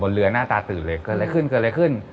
บนเรือน่าตาตื่นเลยเกิดอะไรขึ้น